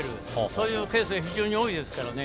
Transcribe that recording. そういうケースが非常に多いですからね。